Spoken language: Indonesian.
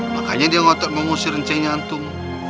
makanya dia ngotot mengusir kencingnya antum